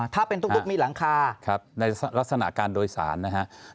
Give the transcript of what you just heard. ถ้าเป็นตุ๊กมีหลังคาในลักษณะการโดยสารนะฮะ